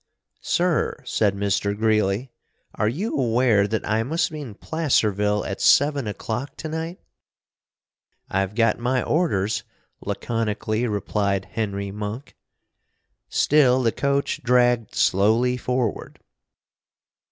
"Sir," said Mr. Greeley, "are you aware that I must be in Placerville at seven o'clock to night?" "I've got my orders!" laconically replied Henry Monk. Still the coach dragged slowly forward.